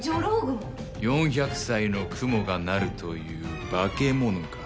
４００歳の蜘蛛がなるという化け物か。